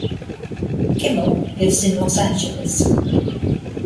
Kimmel lives in Los Angeles.